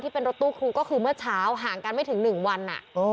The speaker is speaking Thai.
เป็นรถตู้ครูก็คือเมื่อเช้าห่างกันไม่ถึง๑วัน